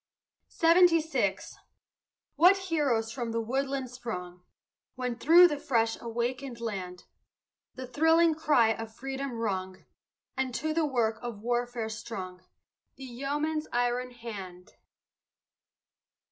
SEVENTY SIX What heroes from the woodland sprung, When, through the fresh awakened land, The thrilling cry of freedom rung And to the work of warfare strung The yeoman's iron hand!